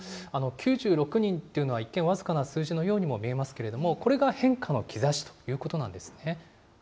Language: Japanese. ９６人というのは一見僅かな数字のようにも見えますけれども、これが変化の兆しということなんですね。